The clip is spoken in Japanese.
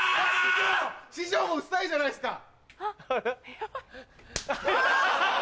師匠もうっさいじゃないですか。